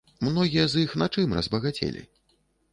Многія з іх на чым разбагацелі?